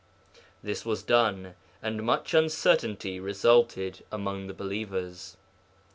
This was done, and much uncertainty resulted among the believers.